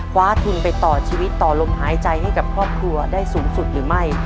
คว้าทุนไปต่อชีวิตต่อลมหายใจให้กับครอบครัวได้สูงสุดหรือไม่